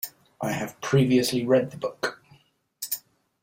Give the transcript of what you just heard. I have previously read the book.